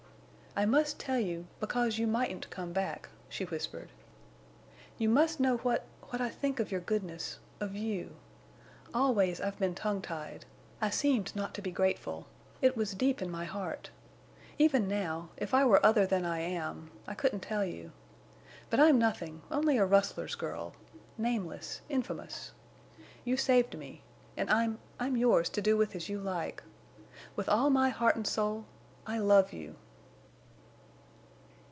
"I must tell you—because you mightn't come back," she whispered. "You must know what—what I think of your goodness—of you. Always I've been tongue tied. I seemed not to be grateful. It was deep in my heart. Even now—if I were other than I am—I couldn't tell you. But I'm nothing—only a rustler's girl—nameless—infamous. You've saved me—and I'm—I'm yours to do with as you like.... With all my heart and soul—I love you!"